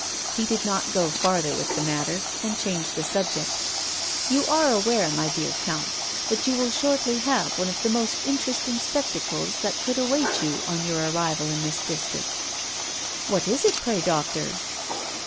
He did not go farther with the matter, and changed the subject. "You are aware, my dear Count, that you will shortly have one of the most interesting spectacles that could await you on your arrival in this district." "What is it, pray, doctor?"